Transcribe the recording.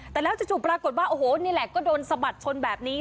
แต่แล้วจู่ปรากฏว่าโอ้โหนี่แหละก็โดนสะบัดชนแบบนี้